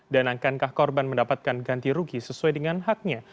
dan angkankah korban mendapatkan ganti rugi sesuai dengan haknya